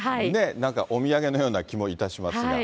なんかお土産のような気もいたしますが。